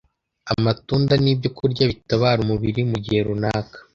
Amatunda ni Ibyokurya Bitabara Umubiri mu Gihe Runaka